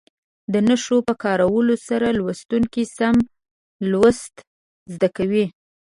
د نښو په کارولو سره لوستونکي سم لوستل زده کوي.